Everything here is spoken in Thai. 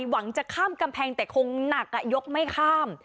หวังจะข้ามกำแพงแต่คงหนักยกไม่ข้าม